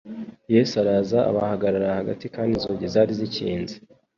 «Yesu araza abahagarara hagati kandi inzugi zari zikinze,